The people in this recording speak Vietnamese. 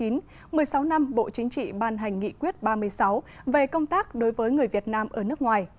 một mươi sáu năm bộ chính trị ban hành nghị quyết ba mươi sáu về công tác đối với người việt nam ở nước ngoài